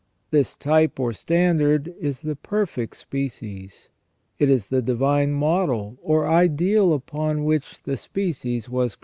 This type or standard is the perfect species. It is the divine model or ideal upon which the species was created ;* S.